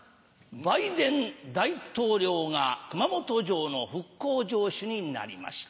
バイデン大統領が熊本城の復興城主になりました。